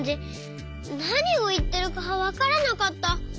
なにをいってるかわからなかった。